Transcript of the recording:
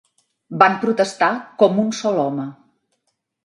Van protestar com un sol home.